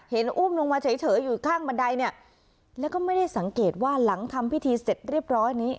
อุ้มลงมาเฉยอยู่ข้างบันไดเนี่ยแล้วก็ไม่ได้สังเกตว่าหลังทำพิธีเสร็จเรียบร้อยนี้